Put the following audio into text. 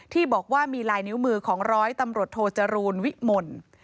ที่บอกว่ามีลายนิ้วมือของร้อยตำรวจโทจรูลวิมล